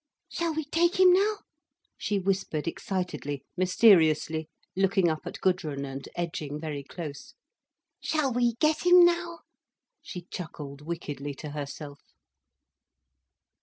"Shall we take him now?" she whispered excitedly, mysteriously, looking up at Gudrun and edging very close. "Shall we get him now?—" she chuckled wickedly to herself.